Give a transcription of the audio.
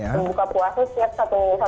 kan di sini juga ada sekolah ya